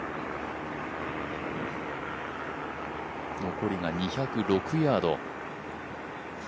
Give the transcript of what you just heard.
残りが２０６ヤード。